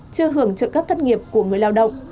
chưa hưởng trợ cấp thất nghiệp của người lao động